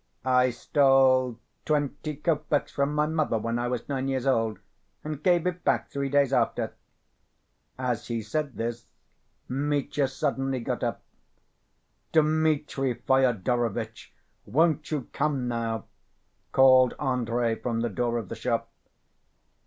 "I stole twenty copecks from my mother when I was nine years old, and gave it back three days after." As he said this, Mitya suddenly got up. "Dmitri Fyodorovitch, won't you come now?" called Andrey from the door of the shop.